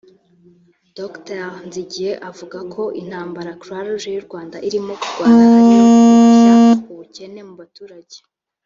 Dr Nzigiye avuga ko intambara Croix-Rouge y’u Rwanda irimo kurwana ari iyo guhashya ubukene mu baturage